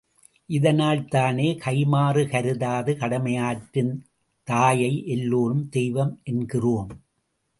இதனால் தானே, கைமாறு கருதாது கடமையாற்றும் தாயை எல்லோரும் தெய்வம் என்கிறோம்.